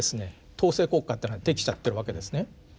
統制国家っていうのができちゃってるわけですね。